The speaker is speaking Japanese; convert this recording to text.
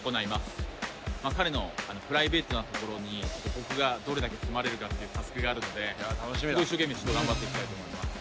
彼のプライベートなところに僕がどれだけ迫れるかっていうタスクがあるのですごい一生懸命ちょっと頑張っていきたいと思います。